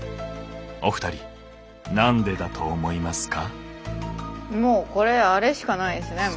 お二人何でだと思いますか？